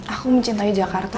aku mencintai jakarta